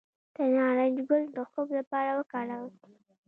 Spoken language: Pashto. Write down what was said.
د نارنج ګل د خوب لپاره وکاروئ